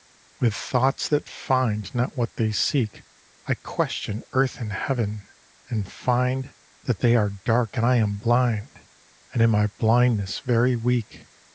With thoughts that find not what they seek I question Earth and Heaven, and find That they are dark and I am blind, And in my blindness very weak.